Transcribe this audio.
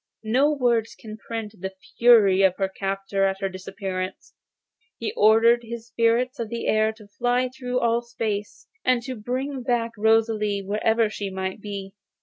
No words can paint the fury of her captor at her disappearance. He ordered the spirits of the air to fly through all space, and to bring back Rosalie wherever she might be.